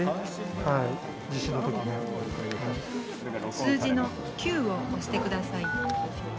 「数字の９を押して下さい」。